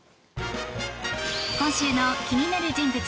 今週の気になる人物